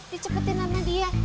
dicepetin sama dia